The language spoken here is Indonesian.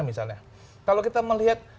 misalnya kalau kita melihat